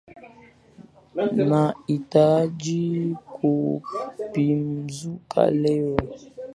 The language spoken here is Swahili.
Nahitaji kupumzika leo